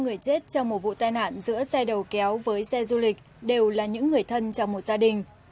người chết trong một vụ tai nạn giữa xe đầu kéo với xe du lịch đều là những người thân trong một gia đình